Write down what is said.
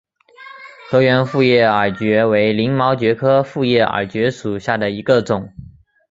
河源复叶耳蕨为鳞毛蕨科复叶耳蕨属下的一个种。